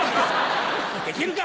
できるか！